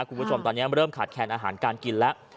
คุณผู้ชมตอนนี้เริ่มขาดแคนอาหารการกินแล้ว